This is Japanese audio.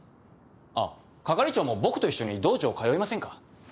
あっ係長も僕と一緒に道場通いませんか？